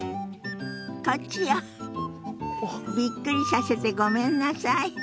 びっくりさせてごめんなさい。